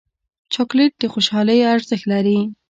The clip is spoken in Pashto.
چاکلېټ د خوشحالۍ ارزښت لري